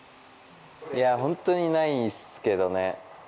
いやぁ、本当にないんすけどね。